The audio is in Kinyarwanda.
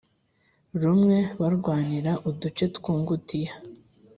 rumwe barwanira uduce tw' ungutiya